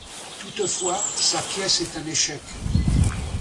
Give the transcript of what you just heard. Toutefois, sa pièce est un échec.